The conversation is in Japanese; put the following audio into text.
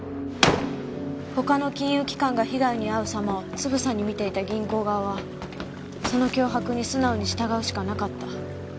他の金融機関が被害に遭う様をつぶさに見ていた銀行側はその脅迫に素直に従うしかなかった。